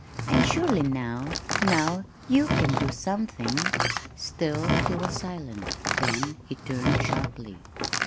And surely now, now you can do something." Still he was silent. Then he turned sharply.